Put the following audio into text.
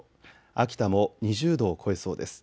秋田も２０度を超えそうです。